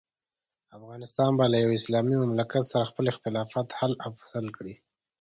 افغانستان به له یوه اسلامي مملکت سره خپل اختلافات حل او فصل کړي.